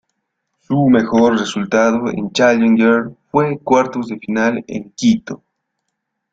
Su mejor resultado en Challenger fue cuartos de final en Quito.